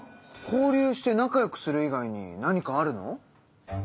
交流して仲良くする以外に何かあるの？